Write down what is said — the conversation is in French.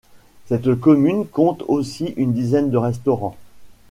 Cette commune compte aussi une dizaine de restaurants.